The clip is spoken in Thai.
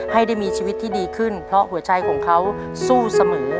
ให้ได้มีชีวิตที่ดีขึ้นเพราะหัวใจของเขาสู้เสมอ